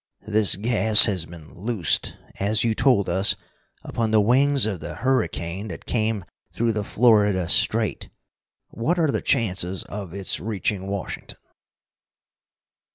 "This gas has been loosed, as you told us, upon the wings of the hurricane that came through the Florida Strait. What are the chances of its reaching Washington?"